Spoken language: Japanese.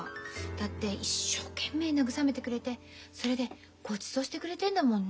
だって一生懸命慰めてくれてそれでごちそうしてくれてんだもんね。